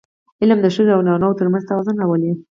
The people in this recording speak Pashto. علم د ښځو او نارینهوو ترمنځ توازن راولي.